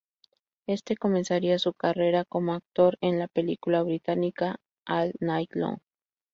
Este comenzaría su carrera como actor en la película británica "All Night Long".